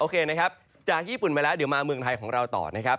นะครับจากญี่ปุ่นไปแล้วเดี๋ยวมาเมืองไทยของเราต่อนะครับ